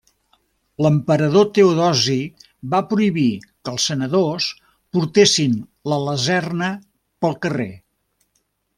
L'emperador Teodosi va prohibir que els senadors portessin la lacerna pel carrer.